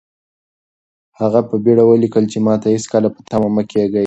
هغه په بېړه ولیکل چې ماته هېڅکله په تمه مه کېږئ.